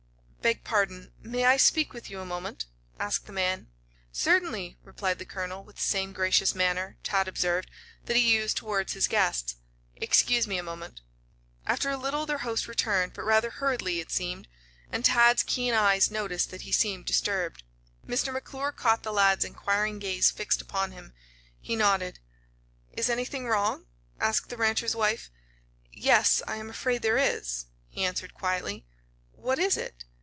"Beg pardon; may I speak with you a moment?" asked the man. "Certainly," replied the colonel, with the same gracious manner, Tad observed, that he used toward his guests. "Excuse me a moment." After a little their host returned, but rather hurriedly, it seemed, and Tad's keen eyes noticed that he seemed disturbed. Mr. McClure caught the lad's inquiring gaze fixed upon him. He nodded. "Is anything wrong?" asked the rancher's wife. "Yes; I am afraid there is," he answered quietly. "What is it?"